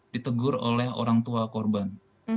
ditegur oleh orang tua korban